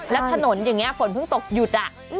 แล้วถนนอย่างนี้ฝนเพิ่งตกหยุด